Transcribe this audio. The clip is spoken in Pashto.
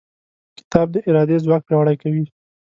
کتاب د ارادې ځواک پیاوړی کوي.